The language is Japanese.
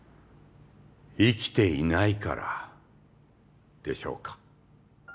生きていないからでしょうか